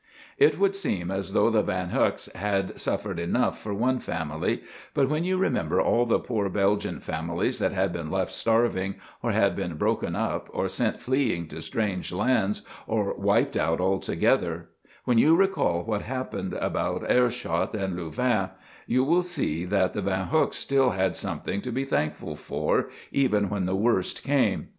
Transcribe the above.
It would seem as though the Van Huyks had suffered enough for one family, but when you remember all the poor Belgian families that had been left starving or had been broken up or sent fleeing to strange lands or wiped out altogether, when you recall what happened about Aershot and Louvain, you will see that the Van Huyks still had something to be thankful for even when the worst came.